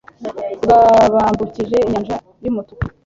bwabambukije inyanja y'umutuku